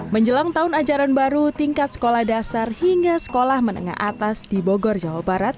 menjelang tahun ajaran baru tingkat sekolah dasar hingga sekolah menengah atas di bogor jawa barat